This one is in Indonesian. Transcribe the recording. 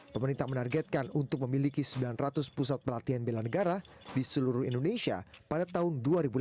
pemerintah menargetkan untuk memiliki sembilan ratus pusat pelatihan bela negara di seluruh indonesia pada tahun dua ribu delapan belas